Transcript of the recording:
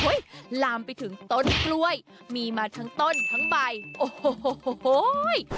ลามไปถึงต้นกล้วยมีมาทั้งต้นทั้งใบโอ้โห